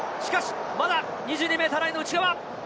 まだ２２ｍラインの内側。